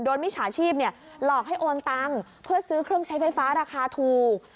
มิจฉาชีพหลอกให้โอนตังค์เพื่อซื้อเครื่องใช้ไฟฟ้าราคาถูก